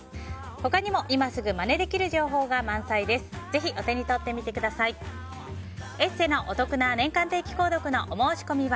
他にも今すぐまねできる情報が満載です。